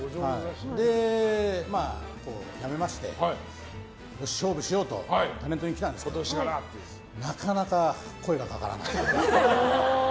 まあ、辞めましてで、勝負しようと来たんですけどなかなか声がかからない。